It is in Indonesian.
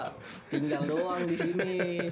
tinggal doang di sini